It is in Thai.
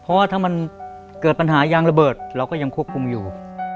เพราะว่าถ้ามันเกิดปัญหายางระเบิดเราก็ยังควบคุมอยู่